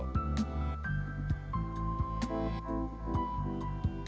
itu saya juga buat apa untuk merokok